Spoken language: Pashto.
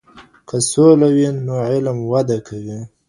که سوله وي، نو علم وده کوي.